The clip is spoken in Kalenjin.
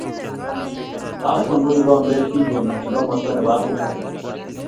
Afcon ko kikombet kintee eng komosta ne Afrika.